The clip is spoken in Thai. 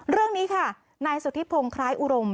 เรื่องนี้ค่ะนายสุธิพงศ์คล้ายอุดม